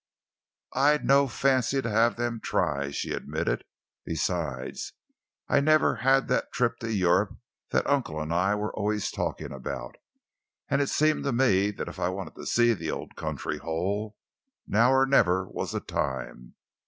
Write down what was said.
"I'd no fancy to have them try," she admitted. "Besides, I've never had that trip to Europe that uncle and I were always talking about, and it seemed to me that if I wanted to see the old country whole, now or never was the time.